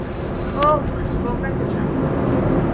ওই, বোকাচোদা!